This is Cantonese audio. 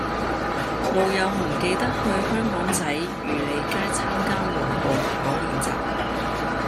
老友唔記得去香港仔漁利街參加緩步跑練習